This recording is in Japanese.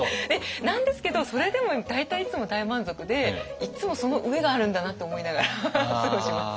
なんですけどそれでも大体いつも大満足でいつもその上があるんだなって思いながら過ごします。